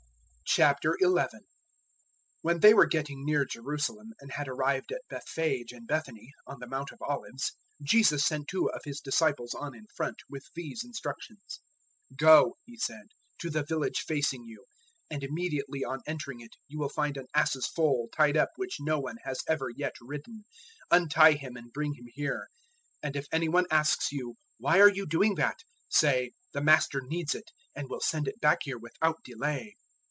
011:001 When they were getting near Jerusalem and had arrived at Bethphage and Bethany, on the Mount of Olives, Jesus sent two of his disciples on in front, with these instructions. 011:002 "Go," He said, "to the village facing you, and immediately on entering it you will find an ass's foal tied up which no one has ever yet ridden: untie him and bring him here. 011:003 And if any one asks you, 'Why are you doing that?' say, 'The Master needs it, and will send it back here without delay.'"